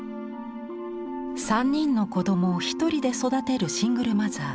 ３人の子どもをひとりで育てるシングルマザー。